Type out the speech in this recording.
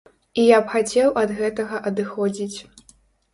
І я б хацеў ад гэтага адыходзіць.